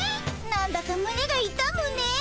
なんだかむねがいたむねえ。